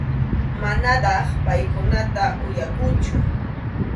Manataq paykunata uyakunchu.